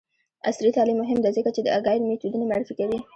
عصري تعلیم مهم دی ځکه چې د اګایل میتودونه معرفي کوي.